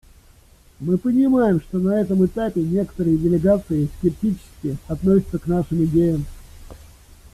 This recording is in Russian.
Мы понимаем, что на этом этапе некоторые делегации скептически относятся к нашим идеям.